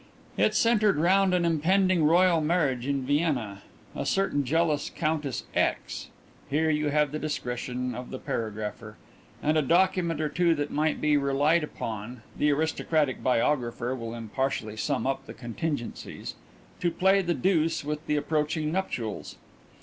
It centred round an impending royal marriage in Vienna, a certain jealous "Countess X." (here you have the discretion of the paragrapher), and a document or two that might be relied upon (the aristocratic biographer will impartially sum up the contingencies) to play the deuce with the approaching nuptials.